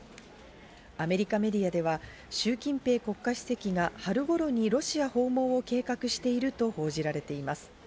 アメリカメディアでは、シュウ・キンペイ国家主席が春頃にロシアを訪問を計画していると報じられています。